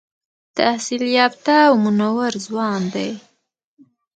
تحصیل یافته او منور ځوان دی.